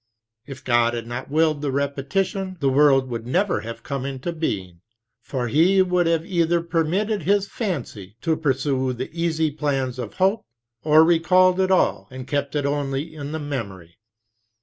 If God had not willed the repetition, the world would never have come into being; for he would either have permitted his fancy to pursue the easy plans of hope, or recalled it all, and kept it only in the memory.